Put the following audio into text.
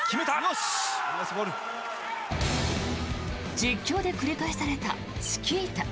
実況で繰り返されたチキータ。